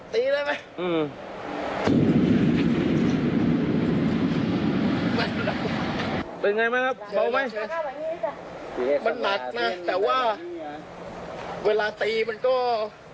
ตีได้มั้ยอื้อมันหลักนะแต่ว่าเวลาตีมันก็เสียงมันดัง